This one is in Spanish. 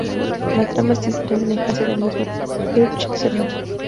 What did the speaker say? La trama está inspirada en la infancia del mismo Hirsch y su hermana.